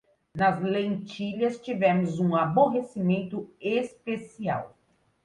Nas lentilhas, tivemos um aborrecimento especial.